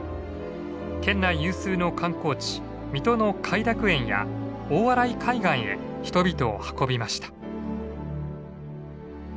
県内有数の観光地水戸の偕楽園や大洗海岸へ人々を運びました。